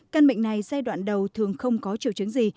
căn bệnh này giai đoạn đầu thường không có triều chứng gì